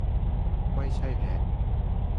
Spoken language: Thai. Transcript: ไม่ใช่แพะ